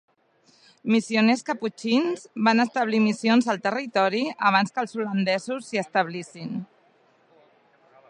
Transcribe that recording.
Missioners caputxins van establir missions al territori abans que els holandesos s'hi establissin.